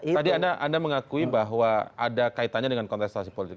tadi anda mengakui bahwa ada kaitannya dengan kontestasi politik